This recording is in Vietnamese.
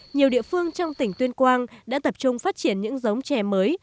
nhiều địa phương trong tỉnh tuyên quang đã tập trung phát triển những giống chè mới